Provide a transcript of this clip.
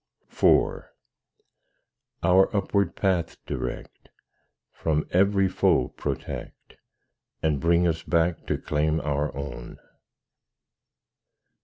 IV Our upward path direct, From every foe protect, And bring us back to claim our own.